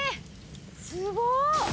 すごっ！